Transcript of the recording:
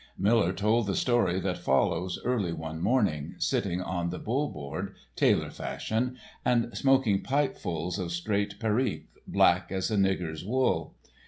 Miller told the story that follows early one morning, sitting on the Bull board, tailor fashion, and smoking pipefuls of straight perique, black as a nigger's wool.